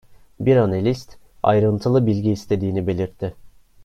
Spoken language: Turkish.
Bir analist, ayrıntılı bilgi istediğini belirtti.